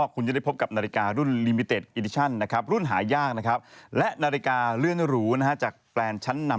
อยู่ที่อินโดนีเซียหรือที่อะไรสักอย่าง